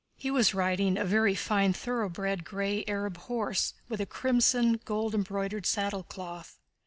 He was riding a very fine thoroughbred gray Arab horse with a crimson gold embroidered saddlecloth.